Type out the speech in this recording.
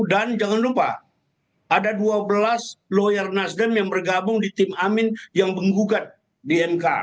dan jangan lupa ada dua belas lawyer nasdem yang bergabung di tim amin yang menggugat di mk